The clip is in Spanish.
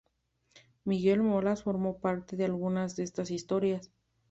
Miguel Molas formó parte de algunas de estas historias.